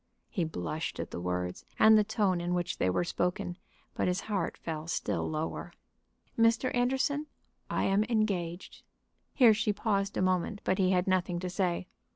He blushed at the words and the tone in which they were spoken, but his heart fell still lower. "Mr. Anderson, I am engaged." Here she paused a moment, but he had nothing to say.